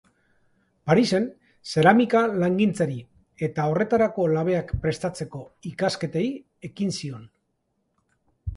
Parisen zeramika-langintzari eta horretarako labeak prestatzeko ikasketei ekin zion.